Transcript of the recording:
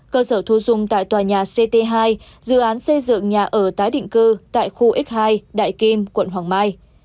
cơ sở thu dung tại tòa nhà ct hai dự án xây dựng nhà ở tái định cư tại khu x hai đại kim quận hoàng mai